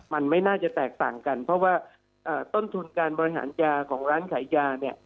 มันไม่น่าจะแตกต่างกันเพราะว่าต้นทุนการบริหารยาของร้านขายยาเนี่ย